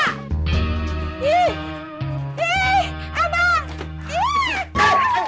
ih ih abang